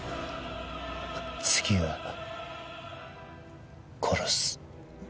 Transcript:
次は殺す。